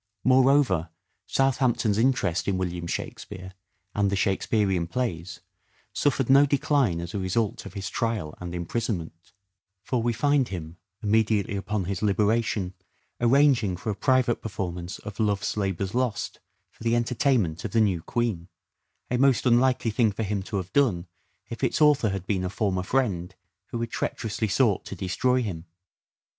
Wriothes Moreover, Southampton's interest in William Shakspere and the Shakespearean plays suffered no decline as a result of his trial and imprisonment ; for we find him immediately upon his liberation arranging for a private performance of " Love's Labour's Lost " for the entertainment of the new Queen ; a most unlikely thing for him to have done if its author had been a former friend who had treacherously sought to destroy him.